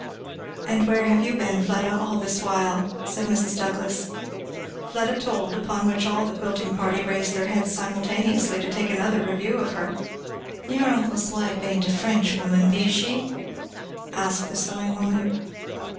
"And where have you been, Fleda, all this while?" said Mrs. Douglass. Fleda told, upon which all the quilting party raised their heads simultaneously to take another review of her. "Your uncle's wife ain't a Frenchwoman, be she?" asked the sewing woman.